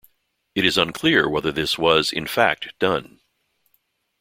It is unclear whether this was in fact done.